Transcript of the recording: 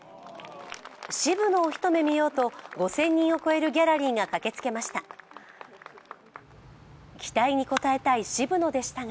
渋野をひと目見ようと、５０００人を超えるギャラリーが駆けつけました。